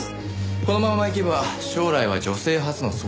このままいけば将来は女性初の総理大臣か。